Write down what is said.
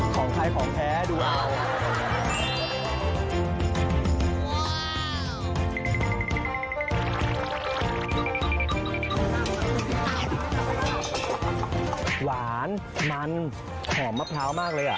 ของใครของแท้ดูว่าหวานมันขอมมะพร้าวมากเลยอ่ะ